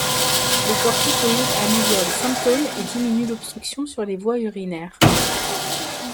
Les corticoïde améliorent les symptômes et diminuent l'obstruction sur les voies urinaires.